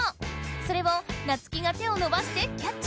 それをナツキが手をのばしてキャッチ。